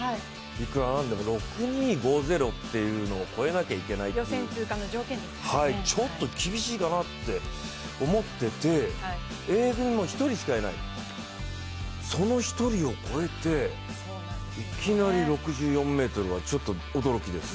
いくらなんでも６２５０を越えなきゃいけないというちょっと厳しいかなって思っていてＡ組も１人しかいないその１人を越えていきなり６４ｍはちょっと驚きです。